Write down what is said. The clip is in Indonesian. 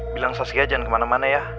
bilang sosial jangan kemana mana ya